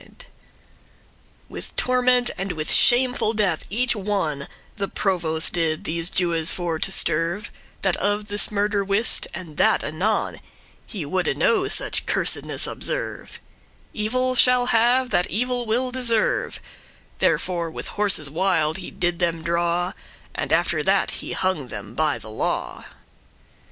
*caused With torment, and with shameful death each one The provost did* these Jewes for to sterve *caused die That of this murder wist, and that anon; He woulde no such cursedness observe* *overlook Evil shall have that evil will deserve; Therefore with horses wild he did them draw, And after that he hung them by the law.